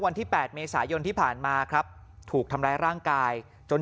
วันที่๘เมษายนที่ผ่านมาครับถูกทำร้ายร่างกายจน